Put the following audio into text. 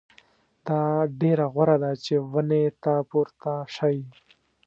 دا ډېره غوره ده چې ونې ته پورته شئ.